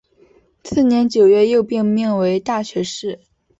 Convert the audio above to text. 次年九月又被命为大学士。